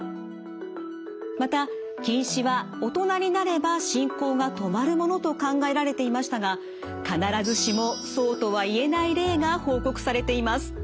また近視は大人になれば進行が止まるものと考えられていましたが必ずしもそうとは言えない例が報告されています。